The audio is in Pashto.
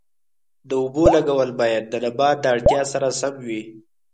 د اوبو لګول باید د نبات د اړتیا سره سم وي.